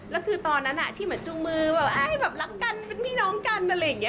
แล้วคือตอนนั้นที่เหมือนจูงมือแบบให้แบบรักกันเป็นพี่น้องกันอะไรอย่างนี้